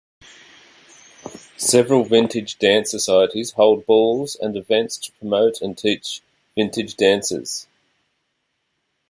Several Vintage Dance Societies hold balls and events to promote and teach Vintage dances.